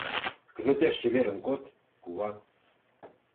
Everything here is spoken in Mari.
Кызытеш чеверын код, кува!